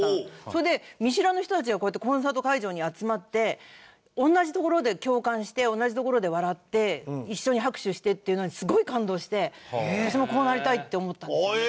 それで見知らぬ人たちがこうやってコンサート会場に集まって同じところで共感して同じところで笑って一緒に拍手してっていうのにすごい感動して。って思ったんですね。